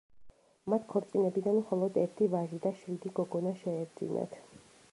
მათ ქორწინებიდან მხოლოდ ერთი ვაჟი და შვიდი გოგონა შეეძინათ.